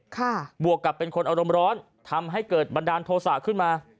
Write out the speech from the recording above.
บวกกับเป็นคนอารมณ์ร้อนทำให้เกิดบันดาลโทษะขึ้นมา